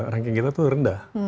ranking kita itu rendah